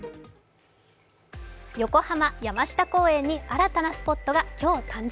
横浜・山下公園に新たなスポットが今日誕生。